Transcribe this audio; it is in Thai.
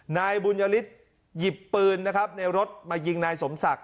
นายบุญยฤทธิ์หยิบปืนนะครับในรถมายิงนายสมศักดิ